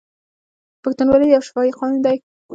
پښتونولي یو شفاهي قانون دی.